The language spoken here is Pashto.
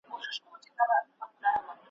د شهپر او د خپل ځان په تماشا سو .